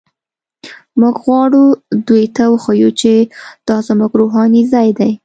موږ غواړو دوی ته وښیو چې دا زموږ روحاني ځای دی.